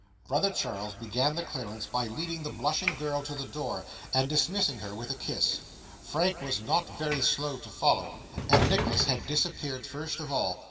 Brother Charles began the clearance by leading the blushing girl to the door, and dismissing her with a kiss. Frank was not very slow to follow, and Nicholas had disappeared first of all.